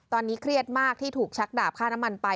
ตอนนี้เครียดมากที่ถูกชักดาบค่าน้ำมันไป